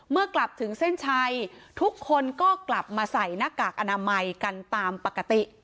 กลับถึงเส้นชัยทุกคนก็กลับมาใส่หน้ากากอนามัยกันตามปกติ